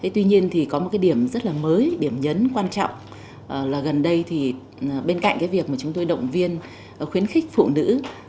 tuy nhiên có một điểm rất mới điểm nhấn quan trọng là gần đây bên cạnh việc chúng tôi động viên khuyến khích phụ nữ